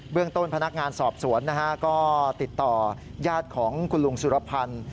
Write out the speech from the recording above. เรื่องต้นพนักงานสอบสวนนะฮะก็ติดต่อยาดของคุณลุงสุรพันธ์